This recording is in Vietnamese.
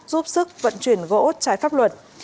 giúp sức vận chuyển gỗ trái pháp luật